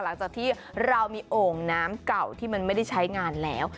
หลังจากที่เรามีโอ่งน้ำเก่าที่มันไม่ได้ใช้งานแล้ว